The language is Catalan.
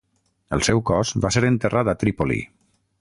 El seu cos va ser enterrat a Trípoli.